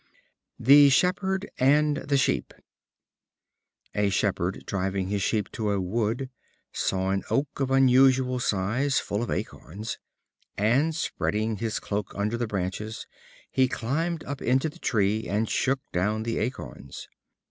The Shepherd and the Sheep. A Shepherd, driving his Sheep to a wood, saw an oak of unusual size, full of acorns, and, spreading his cloak under the branches, he climbed up into the tree, and shook down the acorns.